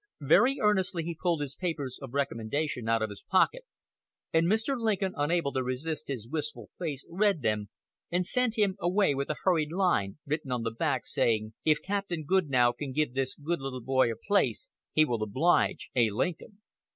Very earnestly he pulled his papers of recommendation out of his pocket, and Mr. Lincoln, unable to resist his wistful face, read them, and sent him away happy with a hurried line written on the back of them, saying: "If Captain Goodnow can give this good little boy a place, he will oblige A. Lincoln."